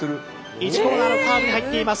１コーナーのカーブに入っています。